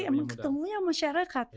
emang ketemunya masyarakat